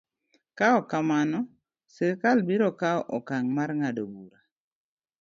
Ka ok kamano, sirkal biro kawo okang' mar ng'ado bura.